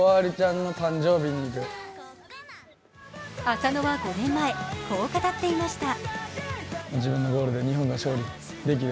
浅野は５年前、こう語っていました。